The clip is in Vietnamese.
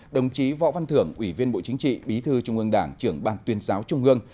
đồng chí võ văn thưởng ủy viên bộ chính trị bí thư trung ương đảng trưởng ban tuyên giáo trung ương